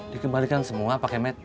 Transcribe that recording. dikembalikan semua pakai med